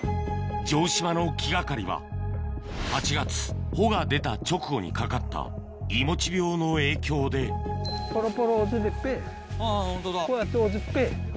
城島の気掛かりは８月穂が出た直後にかかったいもち病の影響であぁホントだ。